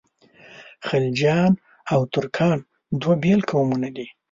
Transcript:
خلجیان او ترکان دوه بېل قومونه دي.